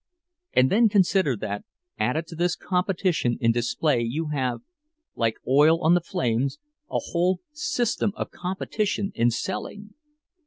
And then consider that, added to this competition in display, you have, like oil on the flames, a whole system of competition in selling!